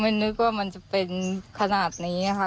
นึกว่ามันจะเป็นขนาดนี้ค่ะ